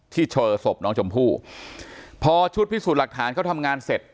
ที่เจอศพน้องชมพู่พอชุดพิสูจน์หลักฐานเขาทำงานเสร็จ